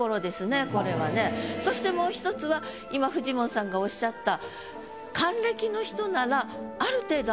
そしてもう１つは今フジモンさんがおっしゃった。